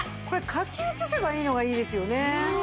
これ書き写せばいいのがいいですよね。